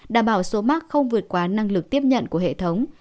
đảm bảo số mắc không vượt qua năng lực tiếp nhận của hệ thống